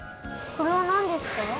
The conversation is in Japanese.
これはなんですか？